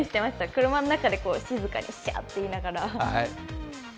車の中で静かにおっしゃーって言いながら。